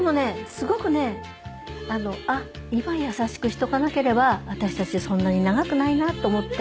すごくね今優しくしとかなければ私たちはそんなに長くないなと思って。